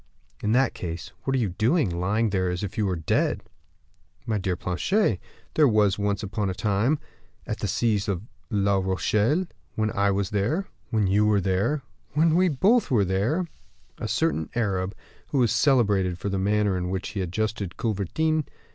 "In that case, what are you doing, lying there, as if you were dead?" "My dear Planchet, there was, once upon a time, at the siege of La Rochelle, when I was there, when you were there, when we both were there, a certain Arab, who was celebrated for the manner in which he adjusted culverins.